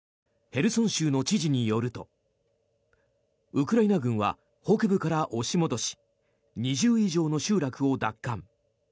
ヘルソン州の知事によるとウクライナ軍は北部から押し戻し２０以上の集落を奪還。